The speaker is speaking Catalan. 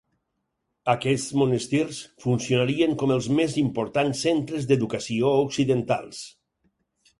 Aquests monestirs funcionarien com els més importants centres d'educació occidentals.